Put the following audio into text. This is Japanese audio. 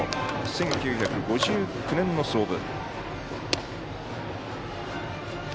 １９５９年の創部。